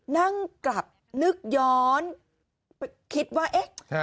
นั่งกลับนึกย้อนไปคิดว่าเอ๊ะ